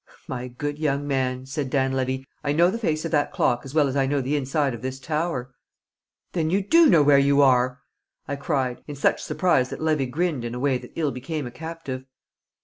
"My good young man," said Dan Levy, "I know the face of that clock as well as I know the inside of this tower." "Then you do know where you are!" I cried, in such surprise that Levy grinned in a way that ill became a captive.